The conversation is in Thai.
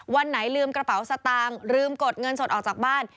วันไหนลืมกระเป๋าสตางค์ลืมกดเงินสดออกจากบ้าน